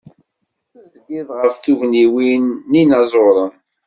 Tezgiḍ ɣef tugniwin n yinaẓuren.